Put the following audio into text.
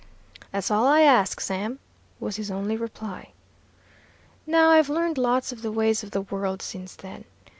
"'That's all I ask, Sam,' was his only reply. Now I've learned lots of the ways of the world since then.